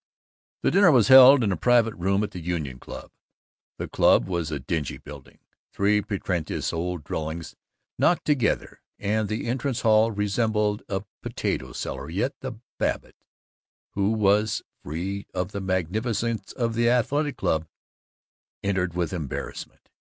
The dinner was held in a private room at the Union Club. The club was a dingy building, three pretentious old dwellings knocked together, and the entrance hall resembled a potato cellar, yet the Babbitt who was free of the magnificence of the Athletic Club entered with embarrassment.